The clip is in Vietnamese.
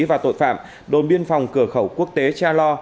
và tội phạm đồn biên phòng cửa khẩu quốc tế cha lo